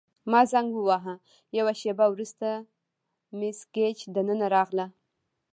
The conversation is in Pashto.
ما زنګ وواهه، یوه شیبه وروسته مس ګیج دننه راغله.